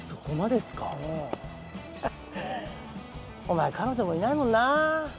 お前彼女もいないもんな。